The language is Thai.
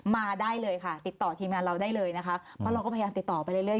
มาได้เลยค่ะติดต่อทีมงานเราได้เลยนะคะเพราะเราก็พยายามติดต่อไปเรื่อย